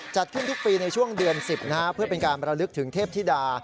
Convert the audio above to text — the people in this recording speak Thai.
จัดขึ้นทุกปีในช่วงเดือน๑๐เพื่อเป็นการประลึกถึงเทพธิดา